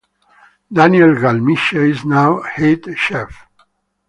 Daniel Galmiche is now Head Chef.